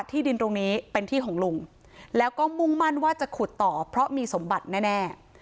ที่ดินตรงนี้เป็นที่ของลุงแล้วก็มุ่งมั่นว่าจะขุดต่อเพราะมีสมบัติแน่